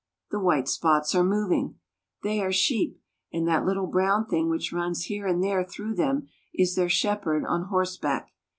The white spots are moving. They are sheep, and that little brown thing which runs here and there through them is their shepherd on horseback.